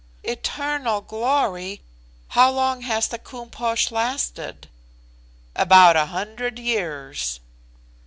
"Eternal glory! How long has the Koom Posh lasted?" "About 100 years."